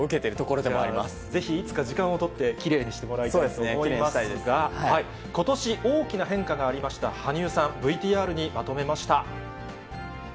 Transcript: じゃあ、ぜひいつか時間を取ってきれいにしてもらいたいと思いますが、ことし、大きな変化がありました羽生さん。